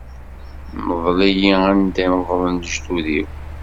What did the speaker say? Mḍel-iyi anda i meḍlen lejdud-iw.